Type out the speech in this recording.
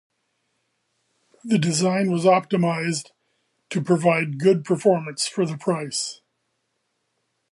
The design was optimized to provide good performance for the price.